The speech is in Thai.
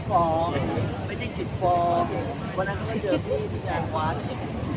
ผมไม่ได้จ่ามึงเพื่อนเชื้อนกัน